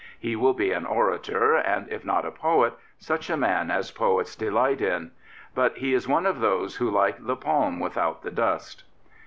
He will be an orator, and, if not a poet, such a man as poets delight in. But he is one of those who like the palm without the dust."'